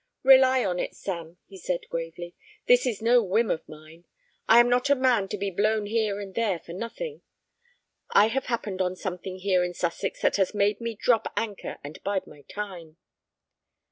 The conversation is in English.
"Rely on it, Sam," he said, gravely, "this is no whim of mine. I am not a man to be blown here and there for nothing. I have happened on something here in Sussex that has made me drop anchor and bide my time."